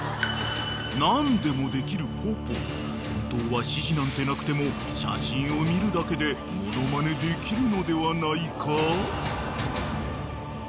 ［本当は指示なんてなくても写真を見るだけでモノマネできるのではないか？］